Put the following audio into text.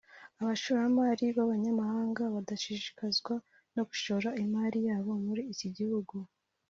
aho abashoramari b’abanyamahanga badashishikazwa no gushora imari yabo muri iki gihugu